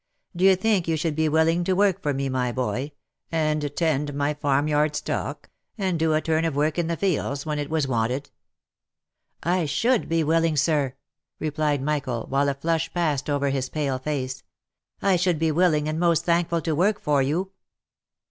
D'ye think you should be willing to work for me, my boy, and tend my farm yard stock, and do a turn of work in the fields when it was wanted V " I should be willing, sir," replied Michael, while a flush passed over his pale face, " I should be willing and most thankful to work for you."